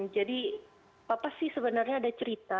jadi papa sih sebenarnya ada cerita